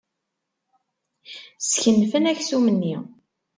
Skenfen aksum-nni.